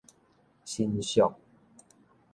新宿